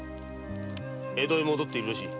江戸に戻っているらしい。